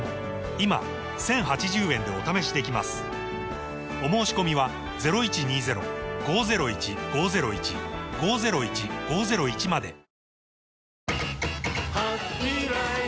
今１，０８０円でお試しできますお申込みはプシュ！